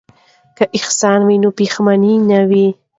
که احسان وي نو پښیماني نه وي.